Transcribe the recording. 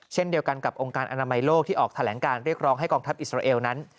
เช่นเดียวกันกับองค์การอนามัยโลกที่ออกแถลงการเรียกร้องให้กองทัพอิสราเอลนั้น